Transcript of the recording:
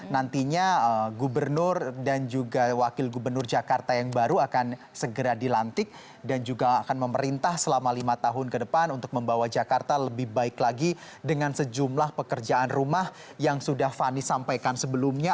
nantinya gubernur dan juga wakil gubernur jakarta yang baru akan segera dilantik dan juga akan memerintah selama lima tahun ke depan untuk membawa jakarta lebih baik lagi dengan sejumlah pekerjaan rumah yang sudah fani sampaikan sebelumnya